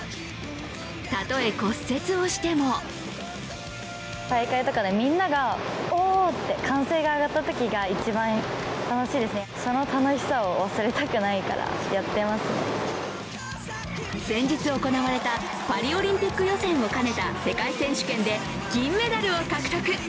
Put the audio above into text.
たとえ骨折をしても先日行われたパリオリンピック予選を兼ねた世界選手権で銀メダルを獲得。